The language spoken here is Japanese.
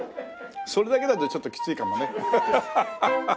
それだけだとちょっときついかもね。